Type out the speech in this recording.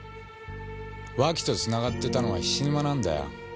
脇とつながってたのは菱沼なんだよ。